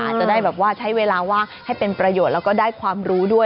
อาจจะได้แบบว่าใช้เวลาว่างให้เป็นประโยชน์แล้วก็ได้ความรู้ด้วย